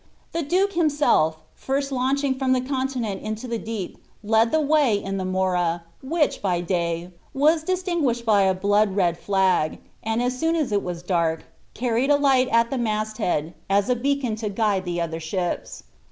'' The duke himself, first launching from the continent into the deep, led the wny in the Mora, which, by day, was distinguished by a blood red flag,^ and, as soon as it was dark, carried a light at the mast head, as a beacon to nide the other ships.